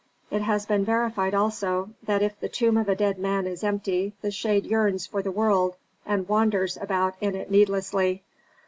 "It has been verified, also, that if the tomb of a dead man is empty the shade yearns for the world and wanders about in it needlessly.